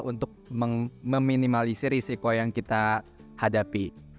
untuk meminimalisir risiko yang kita hadapi